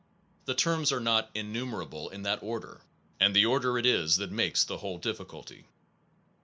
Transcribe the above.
The terms are not enumerable in that order; and the order it is that makes the whole diffi culty.